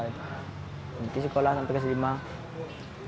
nanti sekolah sampai kelas lima